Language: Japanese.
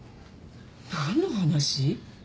何の話？